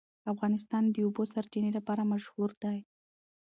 افغانستان د د اوبو سرچینې لپاره مشهور دی.